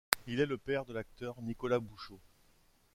Il est le père de l'acteur Nicolas Bouchaud.